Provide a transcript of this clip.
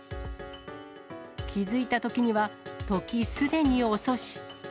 気付いたときには、時すでに遅し。